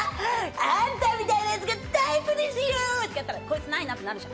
あんたみたいなやつがタイプですよって言ったら、コイツないなってなるじゃん。